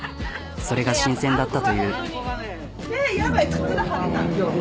それが新鮮だったという。